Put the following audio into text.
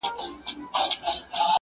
هسي نه چي په دنیا پسي زهیر یم »٫